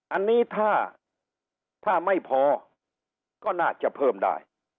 อันนี้ถ้าไม่พอก็น่าจะเพิ่มได้